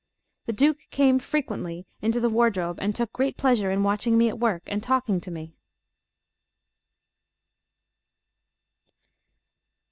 The Duke came frequently into the wardrobe, and took great pleasure in watching me at work and talking to me.